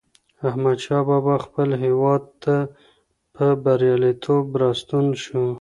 احمدشاه بابا خپل هېواد ته په بریالیتوب راستون شو.